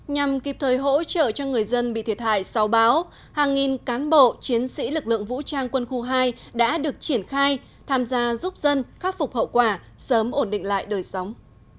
nhằm kịp thời hỗ trợ cho người dân bị thiệt hại sau báo hàng nghìn cán bộ chiến sĩ lực lượng vũ trang quân khu hai đã được triển khai tham gia giúp dân khắc phục hậu quả sớm ổn định lại đời sống